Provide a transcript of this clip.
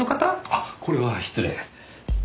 あっこれは失礼。